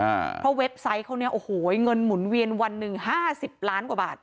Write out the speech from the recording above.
เพราะเว็บไซต์เขาเนี้ยโอ้โหเงินหมุนเวียนวันหนึ่งห้าสิบล้านกว่าบาท